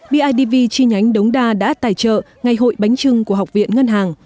bidv chi nhánh đống đa đã tài trợ ngày hội bánh trưng của học viện ngân hàng